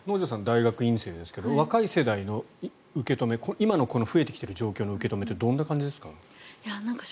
大学院生ですけど若い世代の受け止め今のこの増えてきている状況の受け止めってどんな感じですか？